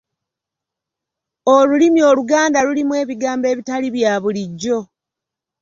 Olulimi Oluganda lulimu ebigambo ebitali bya bulijjo!